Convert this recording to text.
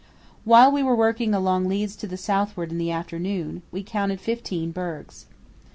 While we were working along leads to the southward in the afternoon, we counted fifteen bergs.